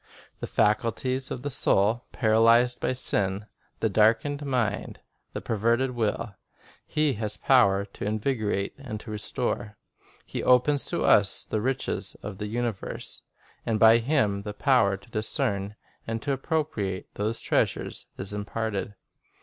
The faculties of the soul, paralyzed by sin, the darkened mind, the perverted will, He has power to invigorate and to restore. He opens to us the riches of the universe, and by Him the power to discern and to appropriate these treasures is imparted.